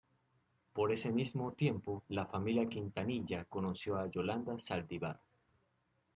Por ese mismo tiempo, la familia Quintanilla conoció a Yolanda Saldívar.